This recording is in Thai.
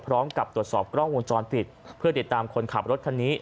พร้อมกับตรวจสอบกล้องวงจรปิดเพื่อติดตามคนขับรถคันนี้